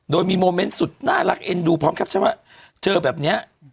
โดยมีโมเมนต์สุดน่ารักเอ็นดูพร้อมแคปชั่นว่าเจอแบบนี้